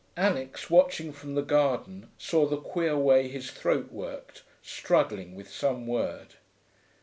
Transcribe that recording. Alix, watching from the garden, saw the queer way his throat worked, struggling with some word.